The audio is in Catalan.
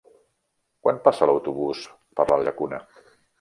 Quan passa l'autobús per la Llacuna?